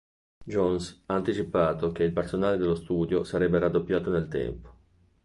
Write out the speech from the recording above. Jones ha anticipato che il personale dello studio sarebbe raddoppiato nel tempo.